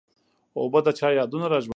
اوبه د چا یادونه را ژوندي کوي.